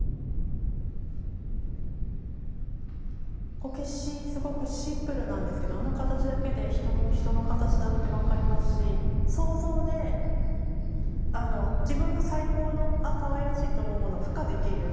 こけしすごくシンプルなんですけどあの形だけで人の形だって分かりますし想像で自分の最高の「あかわいらしい」と思うものを付加できる。